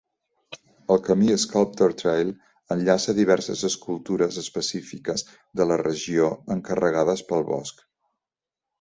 El camí Sculpture Trail enllaça diverses escultures específiques de la regió encarregades pel bosc.